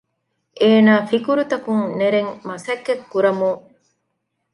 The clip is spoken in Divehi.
އޭނާ ފިކުރުތަކުން ނެރެން މަސައްކަތްކުރަމުން